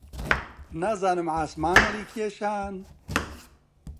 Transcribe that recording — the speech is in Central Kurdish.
نازانم عاسمان هەڵیکێشان؟